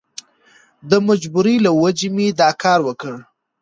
د مجبورۍ له وجهې مې دا کار وکړ.